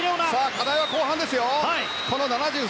課題は後半です。